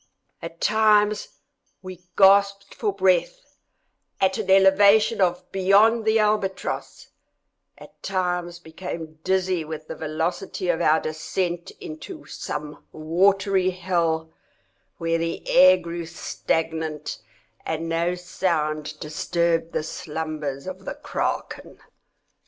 At times we gasped for breath at an elevation beyond the albatross—at times became dizzy with the velocity of our descent into some watery hell, where the air grew stagnant, and no sound disturbed the slumbers of the kraken.